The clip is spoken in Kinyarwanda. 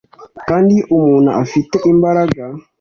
kandi iyo umuntu afite imbaraga,